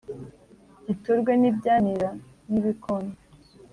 giturwe n’ibyanira n’ibikona.